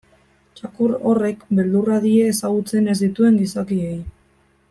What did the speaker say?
Txakur horrek beldurra die ezagutzen ez dituen gizakiei.